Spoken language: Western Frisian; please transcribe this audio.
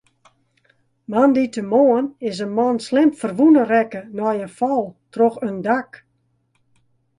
Moandeitemoarn is in man slim ferwûne rekke nei in fal troch in dak.